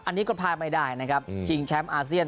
อันนี้ก็พลาดไม่ได้นะครับชิงแชมป์อาเซียน